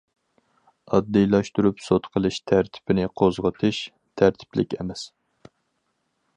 ئاددىيلاشتۇرۇپ سوت قىلىش تەرتىپىنى قوزغىتىش تەرتىپلىك ئەمەس.